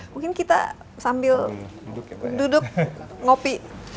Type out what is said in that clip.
mungkin kita sambil duduk ngopi